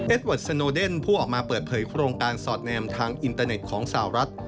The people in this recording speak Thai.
เวิร์ดสโนเดนผู้ออกมาเปิดเผยโครงการสอดแนมทางอินเตอร์เน็ตของสาวรัฐ